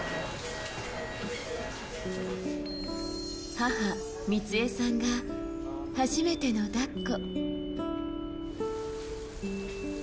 母・美津恵さんが初めての抱っこ。